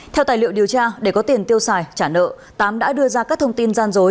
theo tài liệu điều tra để có tiền tiêu xài trả nợ tám đã đưa ra các thông tin gian dối